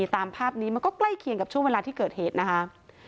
ตามภาพนี้มันก็ใกล้เคียงกับช่วงเวลาที่เกิดเหตุนะคะ